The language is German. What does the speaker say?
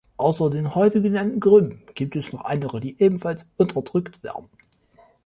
Außer den heute genannten Gruppen gibt es noch andere, die ebenfalls unterdrückt werden.